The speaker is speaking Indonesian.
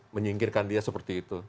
menyingkirkan dia seperti itu